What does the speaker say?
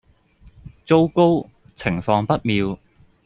糟糕！情況不妙